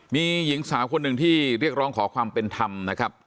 มีหญิงสาวคนหนึ่งที่เรียกร้องขอความเป็นธรรมนะครับ